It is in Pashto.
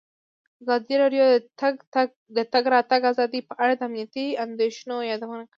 ازادي راډیو د د تګ راتګ ازادي په اړه د امنیتي اندېښنو یادونه کړې.